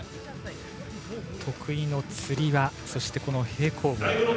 得意のつり輪そして平行棒。